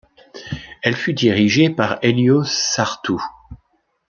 Elle fut dirigée par Helios Sarthou.